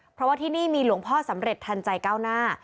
เพราะว่าที่นี่มีหลวงพ่อสำเร็จทันใจก้าวหน้า